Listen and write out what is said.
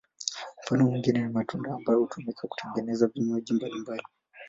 Mfano mwingine ni matunda ambayo hutumika kutengeneza vinywaji mbalimbali.